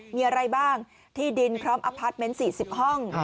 มีอะไรบ้างที่ดินพร้อมอพาร์ทเมนต์๔๐ห้อง